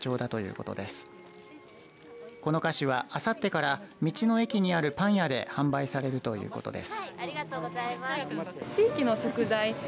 この菓子は、あさってから道の駅にあるパン屋で販売されるということです。